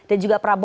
dan juga prabowo